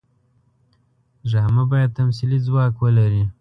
ډرامه باید تمثیلي ځواک ولري